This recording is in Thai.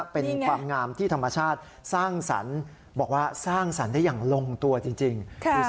เป็นความงามที่ธรรมชาติสร้างสรรค์บอกว่าสร้างสรรค์ได้อย่างลงตัวจริง